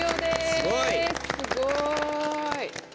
すごい！